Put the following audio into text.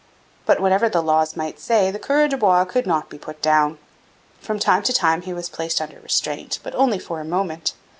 But, whatever the laws might say, the coureur de bois could not be put down. From time to time he was placed under restraint, but only for a moment.